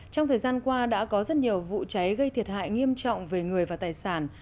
trong thời gian qua đã có rất nhiều vụ cháy gây thiệt hại nghiêm trọng về người và tài sản